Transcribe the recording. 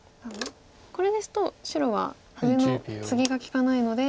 これですと白は上のツギが利かないので。